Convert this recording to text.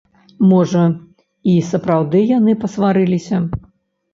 Можа, і сапраўды яны пасварыліся.